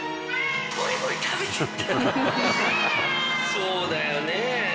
そうだよね